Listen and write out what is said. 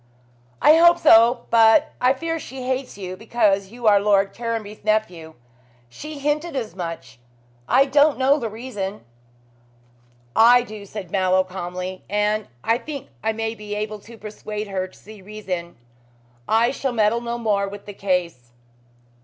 "I hope so; but I fear she hates you because you are Lord Caranby's nephew. She hinted as much. I don't know the reason." "I do," said Mallow calmly, "and I think I may be able to persuade her to see reason. I shall meddle no more with the case."